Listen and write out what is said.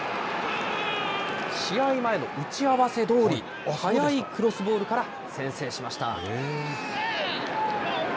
試合前の打合せどおり、速いクロスボールから、先制しました。